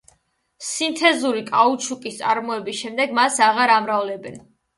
სინთეზური კაუჩუკის წარმოების შემდეგ მას აღარ ამრავლებენ.